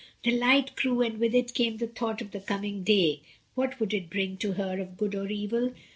The light grew, and with it came the thought of the coming day, what would it bring to her, of good or evil?